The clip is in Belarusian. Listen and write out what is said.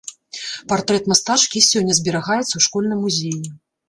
Партрэт мастачкі і сёння зберагаецца ў школьным музеі.